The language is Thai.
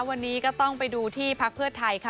วันนี้ก็ต้องไปดูที่พักเพื่อไทยค่ะ